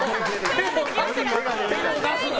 手を出すな！